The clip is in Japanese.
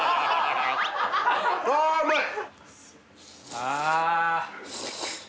あうまい！